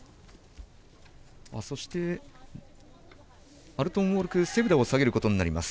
そしてアルトゥンオルク・セブダ下げることになります。